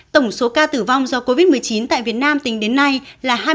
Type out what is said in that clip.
tổng số ca tử vong do covid một mươi chín tại việt nam tính đến nay là hai mươi một năm trăm bốn mươi tám